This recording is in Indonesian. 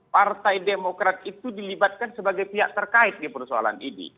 partai demokrat itu dilibatkan sebagai pihak terkait di persoalan ini